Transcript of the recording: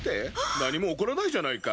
何も起こらないじゃないか。